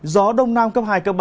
gió đông nam cấp hai ba